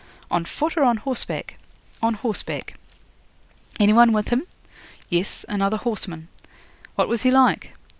'"On foot or on horseback?" '"On horseback." '"Any one with him?" '"Yes, another horseman." '"What was he like?"